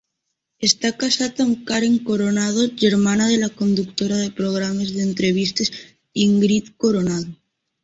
Està casat amb Karen Coronado, germana de la conductora de programes d'entrevistes Ingrid Coronado.